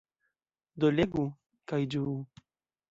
Do legu, kaj ĝuu.